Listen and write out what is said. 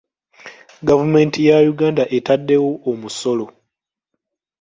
Gavumenti ya Uganda etadde wo omusolo